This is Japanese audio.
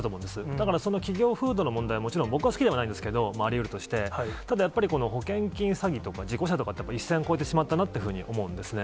だからその企業風土の問題、もちろん僕は好きではないんですけれども、ありえるとして、ただ保険金詐欺として、事故車とかは、一線を越えてしまったなと思うんですね。